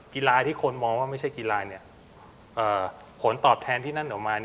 กีฬาที่คนมองว่าไม่ใช่กีฬาผลตอบแทนที่นั่นออกมา